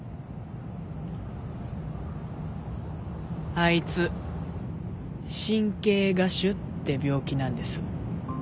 あいつ神経芽腫って病気なんです。